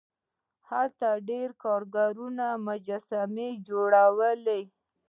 هلته ډیرو کارګرانو مجسمې جوړولې.